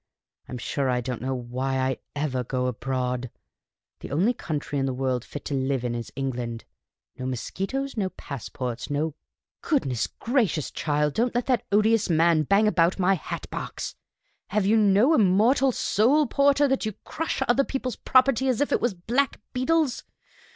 I 'm sure I don't know why I ever go abroad. The only country in the world fit to live in is England. No mosquitoes, no passports, no — good ness gracious, child, don't let that odious man bang about my hat box ! Have you no immortal soul, porter, that you crush other people's property as if it was black beetles